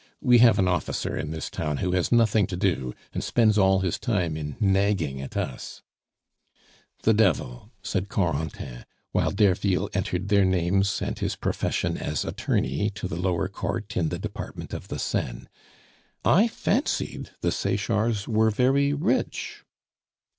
We have an officer in this town who has nothing to do, and spends all his time in nagging at us " "The devil!" said Corentin, while Derville entered their names and his profession as attorney to the lower Court in the department of the Seine, "I fancied the Sechards were very rich."